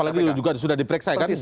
apalagi itu juga sudah diperiksa ya kan